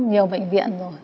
về bệnh viện rồi